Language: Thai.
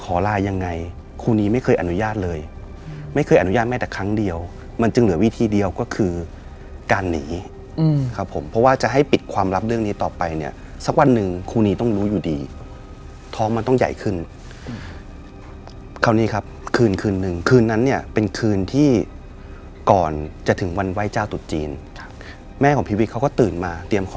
ลายังไงครูนีไม่เคยอนุญาตเลยไม่เคยอนุญาตแม่แต่ครั้งเดียวมันจึงเหลือวิธีเดียวก็คือการหนีครับผมเพราะว่าจะให้ปิดความลับเรื่องนี้ต่อไปเนี่ยสักวันหนึ่งครูนีต้องรู้อยู่ดีท้องมันต้องใหญ่ขึ้นคราวนี้ครับคืนคืนนึงคืนนั้นเนี่ยเป็นคืนที่ก่อนจะถึงวันไหว้เจ้าตุดจีนครับแม่ของพีวิทเขาก็ตื่นมาเตรียมขอ